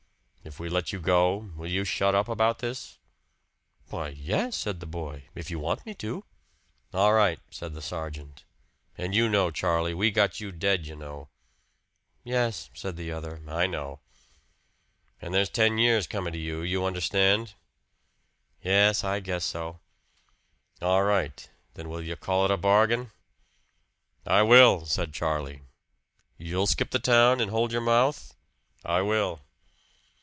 "If we let you go, will you shut up about this?" "Why, yes," said the boy, "if you want me to." "All right," said the sergeant. "And you, Charlie we've got you dead, you know." "Yes," said the other, "I know." "And there's ten years coming to you, you understand?" "Yes, I guess so." "All right. Then will you call it a bargain?" "I will," said Charlie. "You'll skip the town, and hold your mouth?" "I will."